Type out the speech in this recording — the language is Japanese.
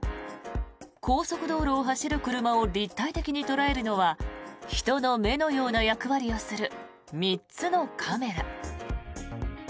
高速道路を走る車を立体的に捉えるのは人の目のような役割をする３つのカメラ。